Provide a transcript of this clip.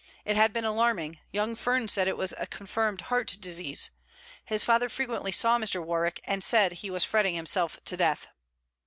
It had been alarming; young Fern said it was confirmed heart disease. His father frequently saw Mr. Warwick, and said he was fretting himself to death.